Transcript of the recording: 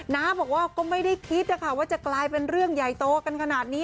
น้าบอกว่าก็ไม่ได้คิดนะคะว่าจะกลายเป็นเรื่องใหญ่โตกันขนาดนี้